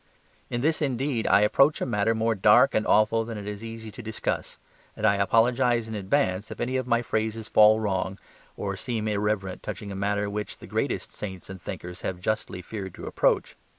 In this indeed I approach a matter more dark and awful than it is easy to discuss; and I apologise in advance if any of my phrases fall wrong or seem irreverent touching a matter which the greatest saints and thinkers have justly feared to approach.